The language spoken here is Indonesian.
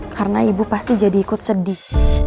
karena ibu pasti jadi ikut sedih